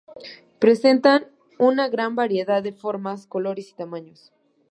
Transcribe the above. Presentan una gran variedad de formas, colores y tamaños.